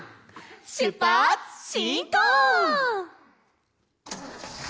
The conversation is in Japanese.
しゅっぱつしんこう！